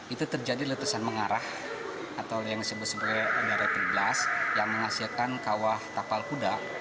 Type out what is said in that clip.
itu terjadi letusan mengarah atau yang disebut sebagai direct blast yang menghasilkan kawah tapal kuda